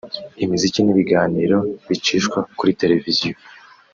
imiziki n’ibiganiro bicishwa kuri televiziyo